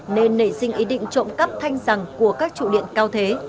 nên nảy sinh ý định trộm cắp thanh giằng của các chủ điện cao thế